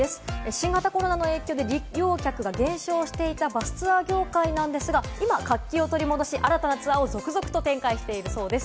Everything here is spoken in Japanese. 新型コロナの影響で利用客が減少していたバスツアー業界なんですが、今、活気を取り戻し、新たなツアーを続々と展開をしているそうです。